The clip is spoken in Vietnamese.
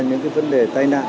những vấn đề tai nạn